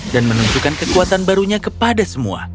dan menunjukkan kekuatan barunya kepada semua